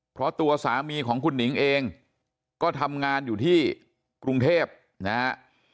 เพราะตัวสามีของคุณหนิงเองก็ทำงานอยู่ที่กรุงเทพนะฮะ